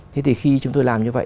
thế thì khi chúng tôi làm như vậy